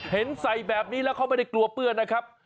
เห็นใส่แบบนี้แล้วเขาไม่ได้กลัวเปื้อนนะครับ